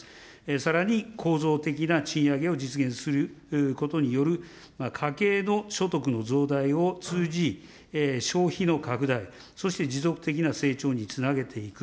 さらに構造的な賃上げを実現することによる家計の所得の増大を通じ、消費の拡大、そして持続的な成長につなげていく。